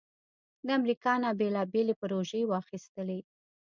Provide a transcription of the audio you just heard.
د امریکا نه بیلابیلې پروژې واخستلې